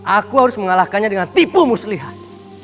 aku harus mengalahkannya dengan tipu muslihat